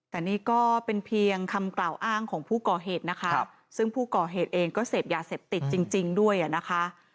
แต่นี่ก็เป็นเพียงคำกล่าวอ้างของผู้ก่อเหตุนะคะซึ่งผู้ก่อเหตุเองก็เสพยาเสพติดจริงด้วยอ่ะนะคะ